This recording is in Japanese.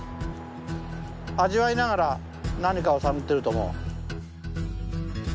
味わいながら何かを探ってると思う。